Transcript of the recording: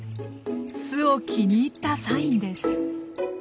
巣を気に入ったサインです。